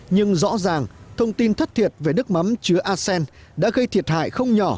nhưng rõ ràng thông tin thất thiệt về nước mắm chứa acen đã gây thiệt hại không nhỏ